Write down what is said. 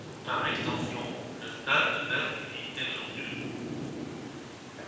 Par extension, le stade devint une unité de longueur.